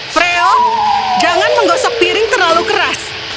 freo jangan menggosok piring terlalu keras